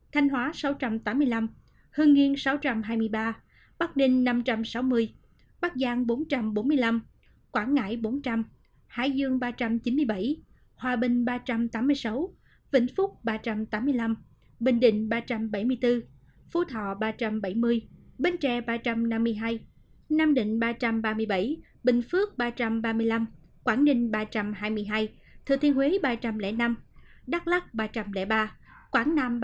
thanh hóa sáu trăm tám mươi năm hương nghiên sáu trăm hai mươi ba bắc đinh năm trăm sáu mươi bắc giang bốn trăm bốn mươi năm quảng ngãi bốn trăm linh hải dương ba trăm chín mươi bảy hòa bình ba trăm tám mươi sáu vĩnh phúc ba trăm tám mươi năm bình định ba trăm bảy mươi bốn phú thọ ba trăm bảy mươi bến tre ba trăm năm mươi hai nam định ba trăm ba mươi bảy bình phước ba trăm ba mươi năm quảng ninh ba trăm hai mươi hai thừa thiên huế ba trăm linh năm đắk lắc ba trăm linh ba quảng nam ba trăm linh hai